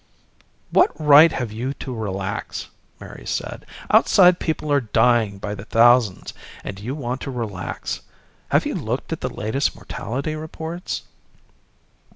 "What right have you to relax," Mary said. "Outside, people are dying by the thousands and you want to relax. Have you looked at the latest mortality reports?"